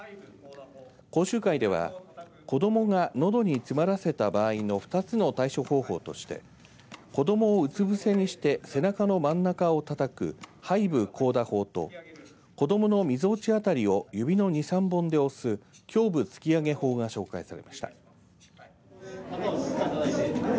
講習会では、子どもがのどに詰まらせた場合の２つの対処方法として子どもをうつ伏せにして背中の真ん中をたたく背部叩打法と子どものみぞおち辺りを指の２、３本で押す胸部突き上げ法が紹介されました。